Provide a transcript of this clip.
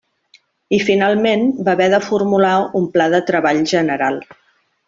I finalment va haver de formular un pla de treball general.